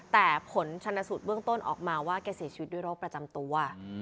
แต่ผลชนสูตรเบื้องต้นออกมาว่าแกเสียชีวิตด้วยโรคประจำตัว